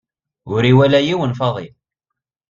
Ur iwala yiwen Faḍil.